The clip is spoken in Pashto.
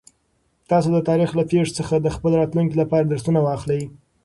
تاسو د تاریخ له پېښو څخه د خپل راتلونکي لپاره درسونه واخلئ.